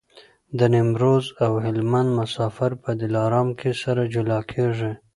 د نیمروز او هلمند مسافر په دلارام کي سره جلا کېږي.